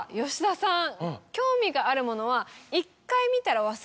吉田さん。